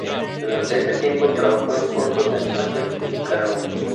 Durante ese tiempo trabajó en cortos de animación en Nicaragua.